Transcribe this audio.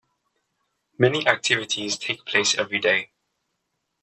Many activities take place every day.